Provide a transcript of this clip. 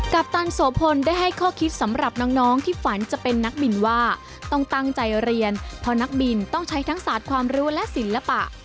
ปัปตันโสพลได้ให้ข้อคิดสำหรับน้องที่ฝันจะเป็นนักบินว่าต้องตั้งใจเรียนเพราะนักบินต้องใช้ทั้งศาสตร์ความรู้และศิลปะ